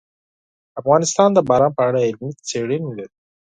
افغانستان د باران په اړه علمي څېړنې لري.